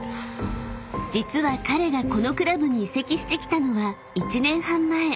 ［実は彼がこのクラブに移籍してきたのは１年半前］